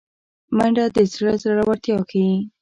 منډه د زړه زړورتیا ښيي